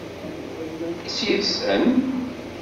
Yufa iman-is yid-sen?